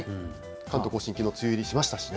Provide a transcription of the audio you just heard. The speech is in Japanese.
関東甲信、きのう梅雨入りしましたしね。